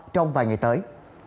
trong vài ngày tới